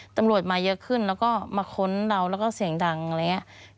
ตำรวจมาเยอะขึ้นแล้วก็มาค้นเราแล้วก็เสียงดังอะไรอย่างนี้